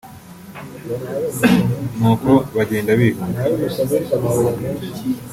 “Nuko bagenda bihuta